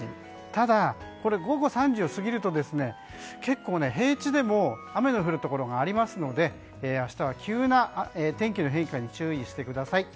ただ、午後３時を過ぎると結構、平地でも雨が降るところがありますので明日は急な天気の変化に注意してください。